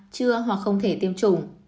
chưa hoặc không thể tiêm chủng